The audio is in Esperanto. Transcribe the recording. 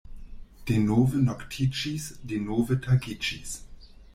Denove noktiĝis; denove tagiĝis.